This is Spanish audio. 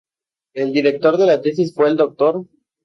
El director de la tesis fue el Dr.